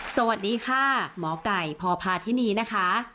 สวัสดีค่ะหมอไก่พพาธินีนะคะ